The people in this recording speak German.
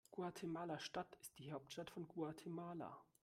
Guatemala-Stadt ist die Hauptstadt von Guatemala.